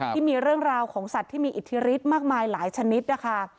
ที่มีเรื่องราวของสัตว์ที่มีอิทธิฤทธิ์มากมายหลายชนิดนะคะ